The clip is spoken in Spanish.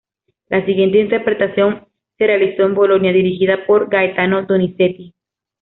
La siguiente interpretación se realizó en Bolonia dirigida por Gaetano Donizetti.